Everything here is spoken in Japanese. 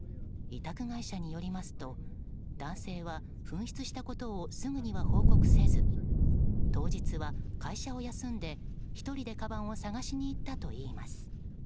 委託会社によりますと男性は、紛失したことをすぐには報告せず当日は会社を休んで１人でかばんを探しに行ったといいます。